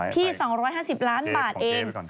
๒๕๐ล้านบาทเอง